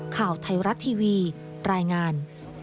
ข่าวไทยรัฐทีวีรายงาน